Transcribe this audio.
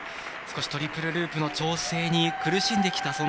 少しトリプルループの調整に苦しんできた